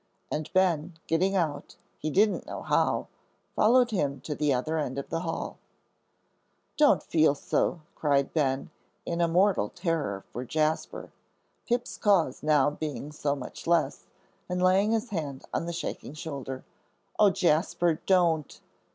And Ben, getting out, he didn't know how, followed him to the other end of the hall. "Don't feel so," cried Ben, in a mortal terror for Jasper, Pip's cause now being so much less, and laying his hand on the shaking shoulder. "Oh, Jasper, don't."